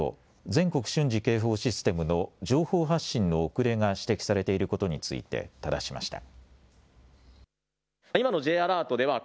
・全国瞬時警報システムの情報発信の遅れが指摘されていることについてただしました。